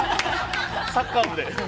サッカー部で。